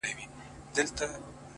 o زړه ته د ښايست لمبه پوره راغلې نه ده،